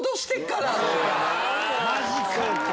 マジか。